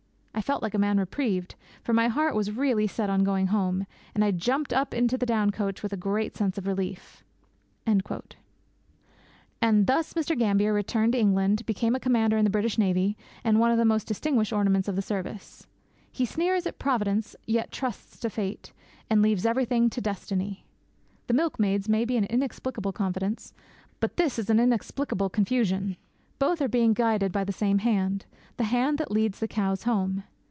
I felt like a man reprieved, for my heart was really set on going home; and I jumped up into the down coach with a great sense of relief!' And thus Mr. Gambier returned to England, became a Commander in the British Navy, and one of the most distinguished ornaments of the service. He sneers at 'Providence,' yet trusts to 'fate,' and leaves everything to 'destiny'! The milkmaid's may be an inexplicable confidence; but this is an inexplicable confusion. Both are being guided by the same Hand the Hand that leads the cows home.